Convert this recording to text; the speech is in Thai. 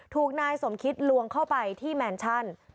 ถูกนายสมคิตลวงเข้าไปที่แมนชั่น